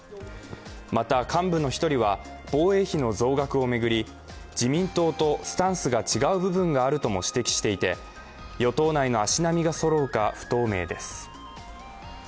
また、幹部の一人は防衛費の増額を巡り自民党とスタンスが違う部分があるとも指摘していて与党内の足並みがそろうか不透明です。